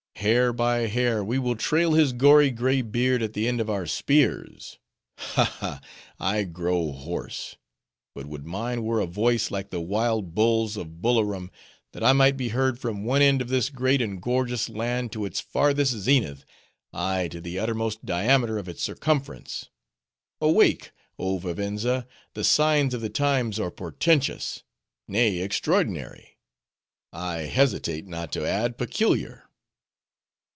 Hair by hair, we will trail his gory gray beard at the end of our spears! Ha, ha! I grow hoarse; but would mine were a voice like the wild bulls of Bullorom, that I might be heard from one end of this great and gorgeous land to its farthest zenith; ay, to the uttermost diameter of its circumference. Awake! oh Vivenza. The signs of the times are portentous; nay, extraordinary; I hesitate not to add, peculiar!